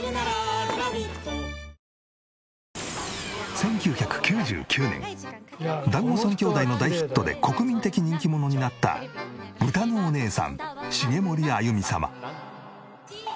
１９９９年『だんご３兄弟』の大ヒットで国民的人気者になったうたのおねえさん茂森あゆみ様。